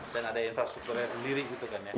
dan ada infrastrukturnya sendiri gitu kan ya